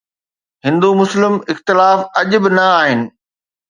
هندو مسلم اختلاف اڄ به نه آهن.